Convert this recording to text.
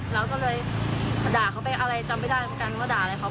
มีมีคนเดียวที่ทะเลาะกับเรา